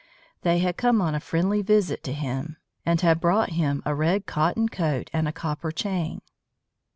They had come on a friendly visit to him, and had brought him a red cotton coat and a copper chain.